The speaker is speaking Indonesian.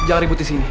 jangan ribut di sini